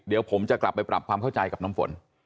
เดี๋ยวผมจะกลับไปปรับความเข้าใจกับน้ำฝน